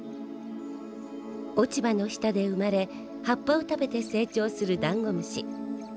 落ち葉の下で生まれ葉っぱを食べて成長するダンゴムシ。